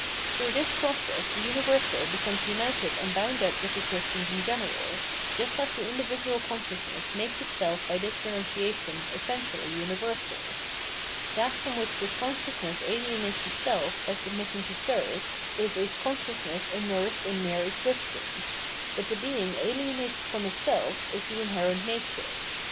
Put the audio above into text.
Through this process the universal becomes united and bound up with existence in general, just as the individual consciousness makes itself by this remmcia tion essentially universal. That from which this con sciousness alienates itself by submitting to serve is its consciousness immersed in mere existence : but the being alienated from itself is the inherent nature.